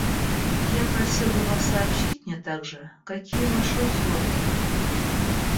Я просил бы вас сообщить мне также, какие ваши условия.